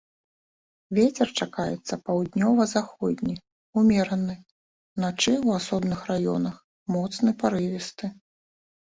Вецер чакаецца паўднёва-заходні ўмераны, уначы ў асобных раёнах моцны парывісты.